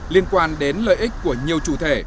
liên quan đến lợi ích của nhiều chủ thể